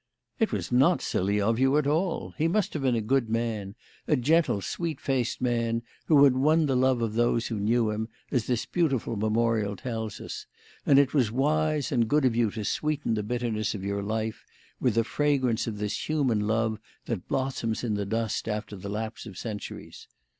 "It was not silly of you at all. He must have been a good man, a gentle, sweet faced man who had won the love of those who knew him, as this beautiful memorial tells us; and it was wise and good of you to sweeten the bitterness of your life with the fragrance of this human love that blossoms in the dust after the lapse of centuries.